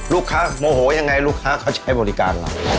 โมโหยังไงลูกค้าเขาใช้บริการเรา